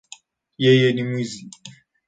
Yeye ni mwizi